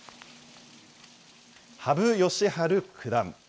羽生善治九段。